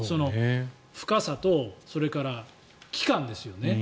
深さと、それから期間ですよね。